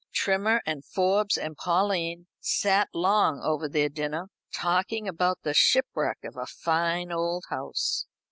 Trimmer and Forbes and Pauline sat long over their dinner, talking about the shipwreck of a fine old house.